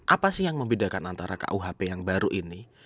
apa sih yang membedakan antara kuhp yang baru ini